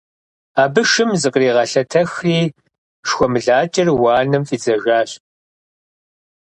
Абы шым зыкъригъэлъэтэхри шхуэмылакӀэр уанэм фӀидзэжащ.